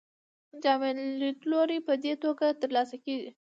جامع لیدلوری په دې توګه ترلاسه کیږي.